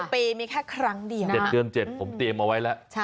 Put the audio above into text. ปีมีแค่ครั้งเดียวนะ๗เดือน๗ผมเตรียมเอาไว้แล้ว